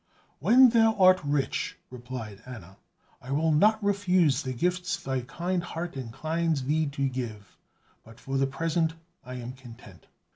"When thou art rich," replied Anna, "I will not refuse the gifts thy kind heart inclines thee to give; but for the present, I am content."